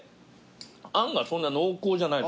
あんがそんな濃厚じゃない。